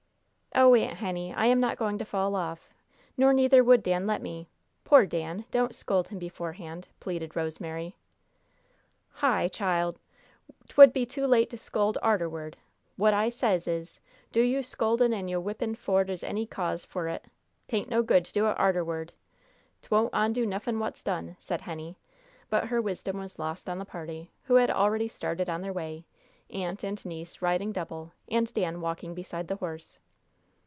"Oh, Aunt Henny, I am not going to fall off; nor neither would Dan let me. Poor Dan! Don't scold him beforehand," pleaded Rosemary. "High, chile, 'twould be too late to scold arterward. Wot I sez is, do you' scoldin' an' yo' whippin' 'fo' dere's any cause fer it 'taint no good to do it arterward; 'twon't ondo nuffin' wot's done," said Henny; but her wisdom was lost on the party, who had already started on their way, aunt and niece riding double, and Dan walking beside the horse.